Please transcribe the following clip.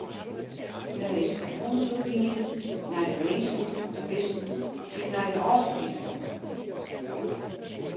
Der is ûndersyk dien nei de winsken fan toeristen dy't nei de Ofslútdyk komme.